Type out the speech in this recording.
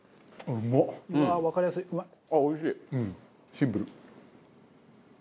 シンプル。